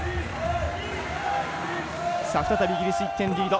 さあ再びイギリス１点リード。